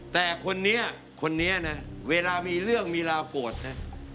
แต่คนนี้คนนี้นะเวลามีเรื่องมีราวโกรธนะ